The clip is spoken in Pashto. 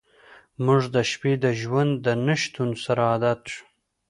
موږ د شپې د ژوند له نشتون سره عادت شو